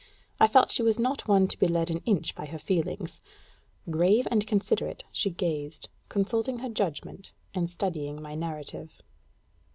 I felt she was not one to be led an inch by her feelings: grave and considerate, she gazed, consulting her judgment and studying my narrative....